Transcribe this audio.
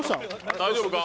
大丈夫か？